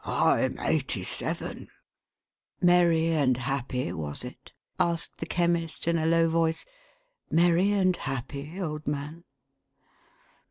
" I'm eighty seven !" "Merry and happy, was it?" asked the Chemist, in a low voice. " Merry and happy, old man